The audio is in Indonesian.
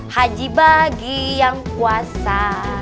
haji bagi yang puasa